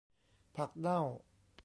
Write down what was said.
ผักเน่า